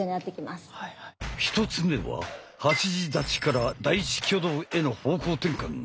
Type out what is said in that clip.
１つ目は八字立ちから第１挙動への方向転換。